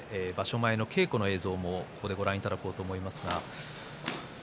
前の稽古の映像もご覧いただきます。